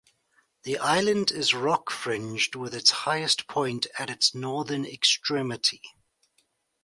The island is rock fringed with its highest point at its northern extremity.